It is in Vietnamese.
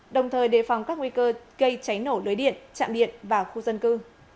đồng thời đề phòng các nguy cơ gây cháy nổ lưới điện chạm điện và khu dân cư